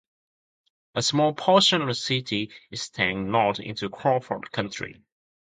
A small portion of the city extends north into Crawford County.